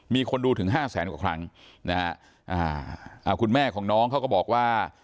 มีคนดูถึงห้าแสนกว่าครั้งนะฮะอ่าคุณแม่ของน้องเขาก็บอกว่า